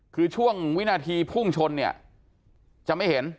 คือช่วงวินาทีพุ่งชนเนี่ยจะไม่เห็น